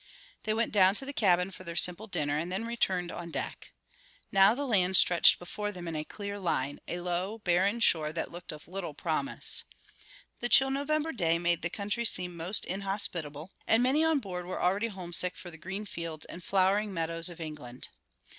They went down to the cabin for their simple dinner and then returned on deck. Now the land stretched before them in a clear line, a low, barren shore that looked of little promise. The chill November day made the country seem most inhospitable, and many on board were already homesick for the green fields and flowering meadows of England.